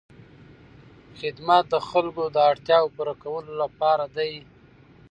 خدمت د خلکو د اړتیاوو پوره کولو لپاره دی.